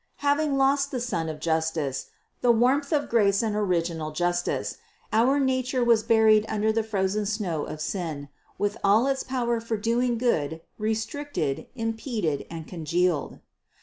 Having lost the Sun of Justice, the warmth of grace and original justice, our nature was buried un der the frozen snow of sin, with all its power for doing good restricted, impeded and congealed.